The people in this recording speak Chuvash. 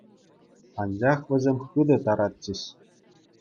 Анчах вӗсем хытӑ таратчӗҫ.